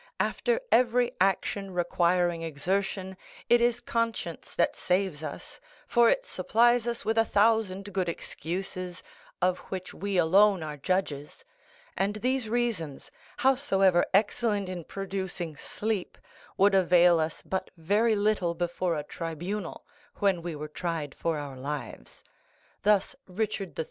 After every action requiring exertion, it is conscience that saves us, for it supplies us with a thousand good excuses, of which we alone are judges; and these reasons, howsoever excellent in producing sleep, would avail us but very little before a tribunal, when we were tried for our lives. Thus Richard III.